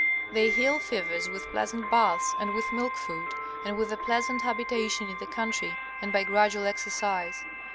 They heal fevers with pleasant baths and with milk food, and with a pleasant habitation in the country and by gradual exercise.